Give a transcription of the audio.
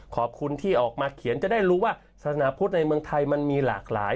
ขอบคุณที่ออกมาเขียนจะได้รู้ว่าศาสนาพุทธในเมืองไทยมันมีหลากหลาย